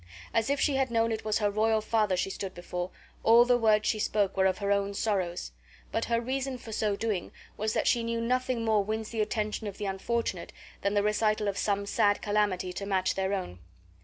As if she had known it was her royal father she stood before, all the words she spoke were of her own sorrows; but her reason for so doing was that she knew nothing more wins the attention of the unfortunate than the recital of some sad calamity to match their own.